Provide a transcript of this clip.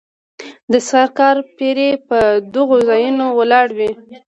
د سرکار پیرې به په دغو ځایونو ولاړې وې.